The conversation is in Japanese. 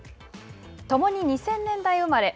共に２０００年代生まれ。